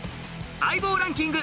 相棒ランキング